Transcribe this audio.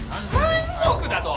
３億だと！？